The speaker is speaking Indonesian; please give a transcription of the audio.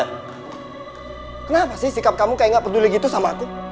kenapa sih sikap kamu kayak nggak peduli gitu sama aku